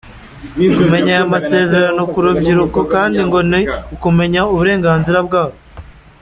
Kumenya aya masezerano ku rubyiruko kandi ngo ni ukumenya uburenganzira bwarwo.